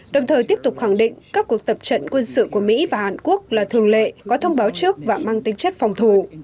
đồng thời tiếp tục khẳng định các cuộc tập trận quân sự của mỹ và hàn quốc là thường lệ có thông báo trước và mang tính chất phòng thủ